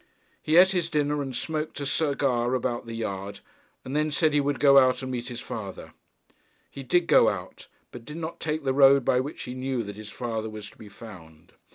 He eat his dinner, and smoked a cigar about the yard, and then said that he would go out and meet his father. He did go out, but did not take the road by which he knew that his father was to be found.